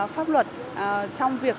pháp luật trong việc